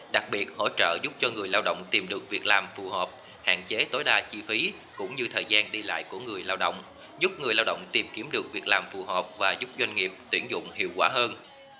đặc biệt hỗ trợ giúp cho người lao động tìm được việc làm phù hợp hạn chế tối đa chi phí cũng như thời gian đi lại của người lao động giúp người lao động tìm kiếm được việc làm phù hợp và giúp doanh nghiệp tuyển dụng hiệu quả hơn